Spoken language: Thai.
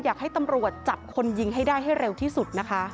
อยากให้ตำรวจจับคนยิงให้ได้ให้เร็วที่สุดนะคะ